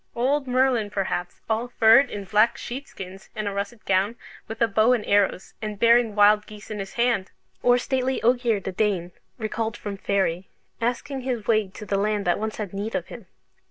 Old Merlin, perhaps, "all furred in black sheep skins, and a russet gown, with a bow and arrows, and bearing wild geese in his hand!" Or stately Ogier the Dane, recalled from Faery, asking his way to the land that once had need of him!